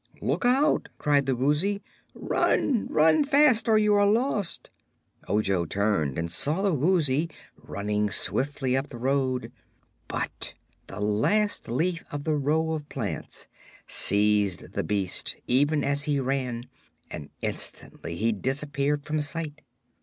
"Look out," cried the Woozy. "Run! Run fast, or you are lost." Ojo turned and saw the Woozy running swiftly up the road. But the last leaf of the row of plants seized the beast even as he ran and instantly he disappeared from sight.